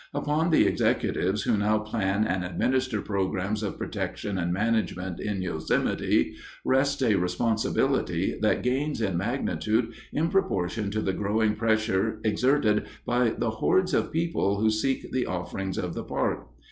Upon the executives who now plan and administer programs of protection and management in Yosemite rests a responsibility that gains in magnitude in proportion to the growing pressure exerted by the hordes of people who seek the offerings of the park.